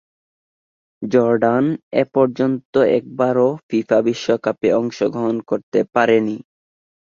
Jordan এপর্যন্ত একবারও FIFA বিশ্বকাপে অংশগ্রহণ করতে পারেনি।